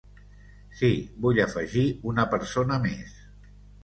Si, vull afegir una persona mes.